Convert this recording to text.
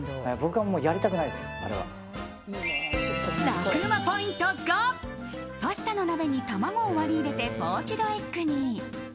楽ウマポイント５パスタの鍋に卵を割り入れてポーチドエッグに。